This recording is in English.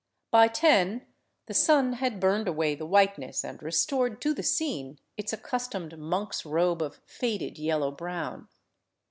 By ten the sun had burned away the whiteness and restored to the scene its accus tomed monk's robe of faded yellow brown.